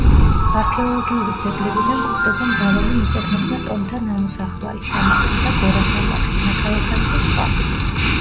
არქეოლოგიური ძეგლებიდან გვხვდება მრავალი მიწათმოქმედ ტომთა ნამოსახლარი, სამარხი და გორასამარხი, ნაქალაქარი და სხვა.